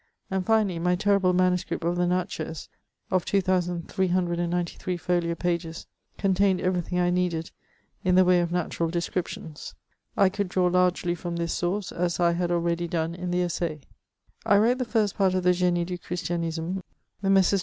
And finally, my terrible manuscript of the Naichez^ of 2393 folio pages, contained everything I needed in the way of natu ral descriptions. I could draw largely from this source, as I had already done in the EssaL I wrote the first part of the Gtnie du Christianisme, The Messrs.